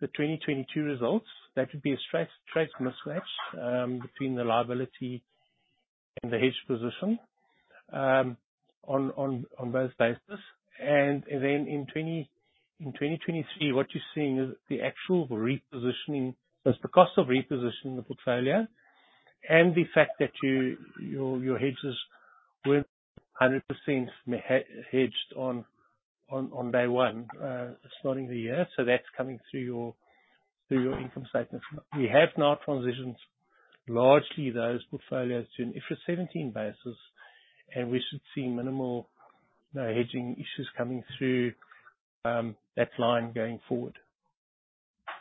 the 2022 results. That would be a straight mismatch between the liability and the hedge position on those basis. And then in 2023, what you're seeing is the actual repositioning, is the cost of repositioning the portfolio and the fact that your hedges weren't 100% hedged on day one starting the year. So that's coming through your income statement. We have now transitioned largely those portfolios to an IFRS 17 basis, and we should see minimal hedging issues coming through that line going forward.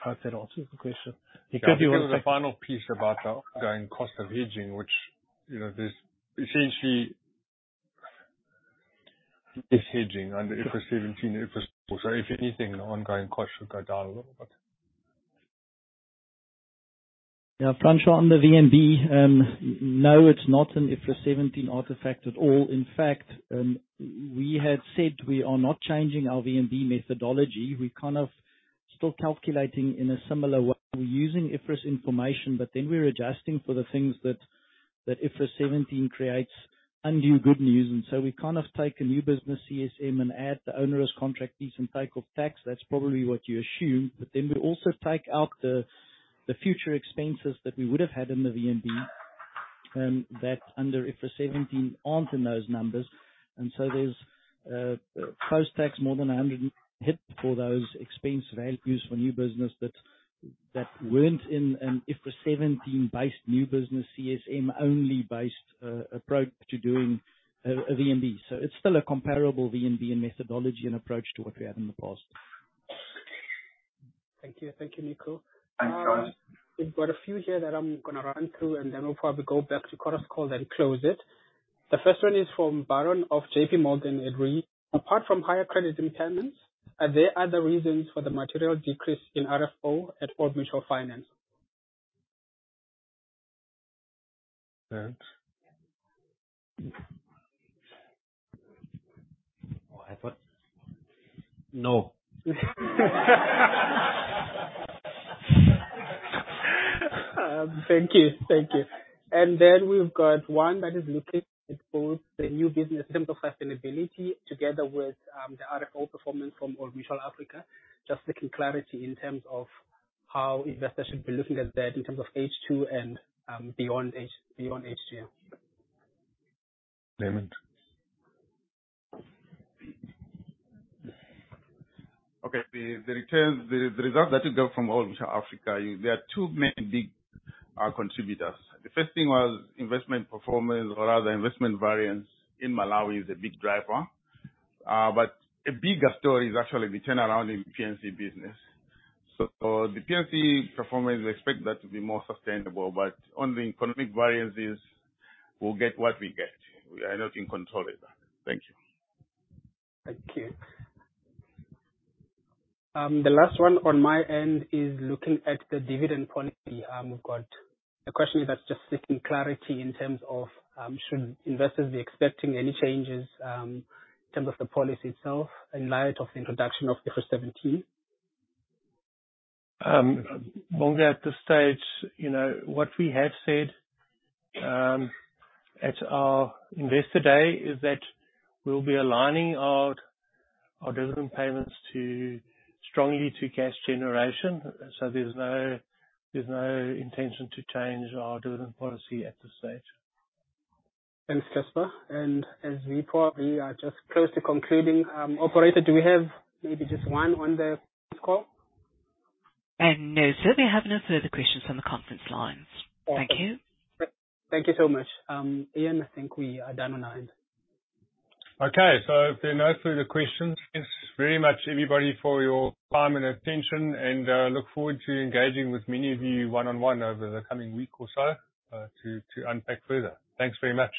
I hope that answers the question, because we want to- Yeah, the final piece about the ongoing cost of hedging, which, you know, there's essentially this hedging under IFRS 17, IFRS 4. So if anything, the ongoing cost should go down a little bit. Yeah, Francois, on the VNB, no, it's not an IFRS 17 artifact at all. In fact, we had said we are not changing our VNB methodology. We're kind of still calculating in a similar way. We're using IFRS information, but then we're adjusting for the things that IFRS 17 creates undue good news. And so we kind of take a new-business CSM and add the onerous contract fees and take off tax. That's probably what you assume. But then we also take out the future expenses that we would have had in the VNB, that under IFRS 17 aren't in those numbers. And so there's post-tax, more than 100 hit for those expense values for new business that weren't in an IFRS 17-based new-business, CSM-only based approach to doing a VNB. It's still a comparable VNB in methodology and approach to what we had in the past. Thank you. Thank you, Nico. Thanks, Francois. We've got a few here that I'm going to run through, and then we'll probably go back to the conference call, then close it. The first one is from Baron of JPMorgan in RI: Apart from higher credit impairments, are there other reasons for the material decrease in RFO at Old Mutual Finance? Oh, I thought. No. Thank you. Thank you. And then we've got one that is looking at both the new business in terms of sustainability together with the RFO performance from Old Mutual Africa. Just looking clarity in terms of how investors should be looking at that in terms of H2 and beyond H2. Raymond. Okay. The returns, the results that you got from Old Mutual Africa, there are two main big contributors. The first thing was investment performance or rather, investment variance in Malawi is a big driver. But a bigger story is actually the turnaround in P&C business. So the P&C performance, we expect that to be more sustainable, but on the economic variances, we'll get what we get. We are not in control of that. Thank you. Thank you. The last one on my end is looking at the Dividend Policy. We've got a question that's just seeking clarity in terms of should investors be expecting any changes in terms of the policy itself in light of the introduction of IFRS 17? Well, at this stage, you know, what we have said at our investor day, is that we'll be aligning our, our dividend payments to strongly to cash generation. So there's no, there's no intention to change our Dividend Policy at this stage. Thanks, Casper, and as we talk, we are just close to concluding. Operator, do we have maybe just one on the conference call? No, sir, we have no further questions on the conference lines. Thank you. Thank you so much. Iain, I think we are done on our end. Okay, so if there are no further questions, thanks very much, everybody, for your time and attention. Look forward to engaging with many of you one-on-one over the coming week or so, to unpack further. Thanks very much.